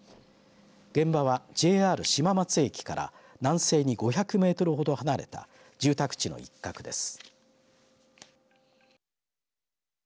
現場はＪＲ島松駅から南西に５００メートルほど離れた住宅地の一角です。